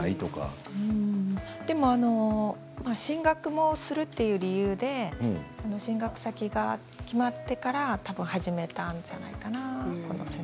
でも進学もするという理由で進学先が決まってから多分、始めたんじゃないかなと思います。